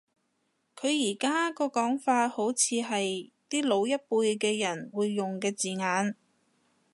佢而家個講法好似係啲老一輩嘅人會用嘅字眼